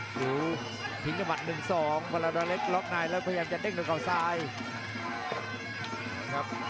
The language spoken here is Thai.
ครับเสริมความแข็งความแกร่งขึ้นมาแล้วก็พยายามจะเล็กหาฐานล่างครับ